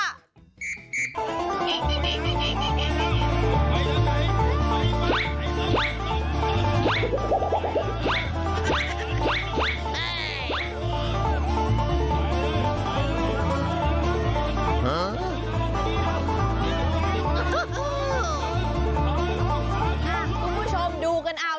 คุณผู้ชมดูกันเอา